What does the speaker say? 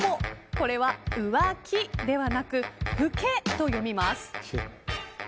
これは、うわきではなくふけと読みます。